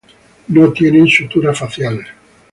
No tienen sutura facial.